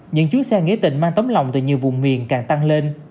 những chú xe nghế tình mang tấm lòng từ nhiều vùng miền càng tăng lên